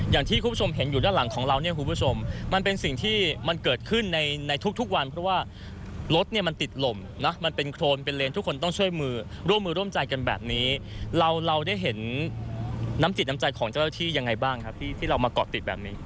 อย่างที่คุณผู้ชมเห็นอยู่ด้านหลังของเราเนี่ยคุณผู้ชมมันเป็นสิ่งที่มันเกิดขึ้นในในทุกทุกวันเพราะว่ารถเนี่ยมันติดลมนะมันเป็นโครนเป็นเลนทุกคนต้องช่วยมือร่วมมือร่วมใจกันแบบนี้เราเราได้เห็นน้ำจิตน้ำใจของเจ้าหน้าที่ยังไงบ้างครับพี่ที่เรามาเกาะติดแบบนี้